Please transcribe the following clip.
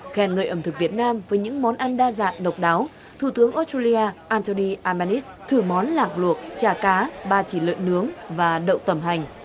khen ngợi ẩm thực việt nam với những món ăn đa dạng độc đáo thủ tướng australia anthony amanis thử món lạc luộc trà cá ba chỉ lợn nướng và đậu tẩm hành